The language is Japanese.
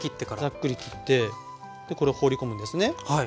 ざっくり切ってこれ放り込むんですね。